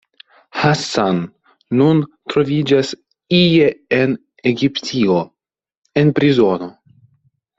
Hassan nun troviĝas ie en Egiptio, en prizono.